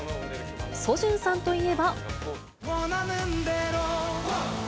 ソジュンさんといえば。